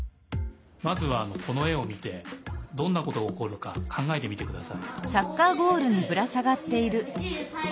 まずはこのえをみてどんなことがおこるかかんがえてみてください。